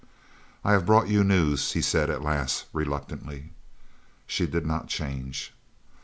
"I have brought you news," he said at last, reluctantly. She did not change.